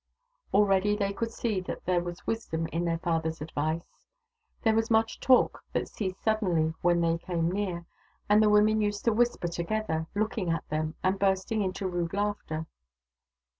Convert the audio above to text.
Already they could see that there was wisdom in their father's advice. There was much talk that ceased suddenly when they came near, and the women used to whisper together, looking at them, and bursting into rude laughter.